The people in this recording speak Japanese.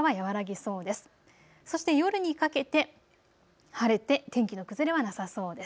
そして夜にかけて、晴れて天気の崩れはなさそうです。